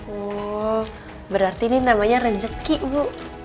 oh berarti ini namanya rezeki bu